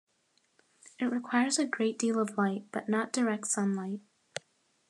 It requires a great deal of light, but not direct sunlight.